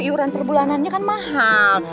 iuran perbulanannya kan mahal